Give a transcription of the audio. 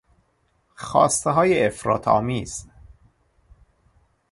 خواستههای افراط آمیز